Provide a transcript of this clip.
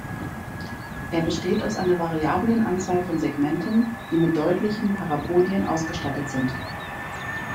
Er besteht aus einer variablen Anzahl von Segmenten, die mit deutlichen Parapodien ausgestattet sind.